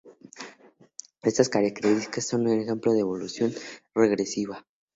Estas características son un ejemplo de evolución regresiva.